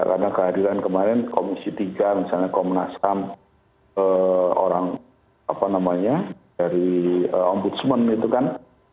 karena kehadiran kemarin komisi tiga misalnya komnasam orang apa namanya dari ombudsman itu kan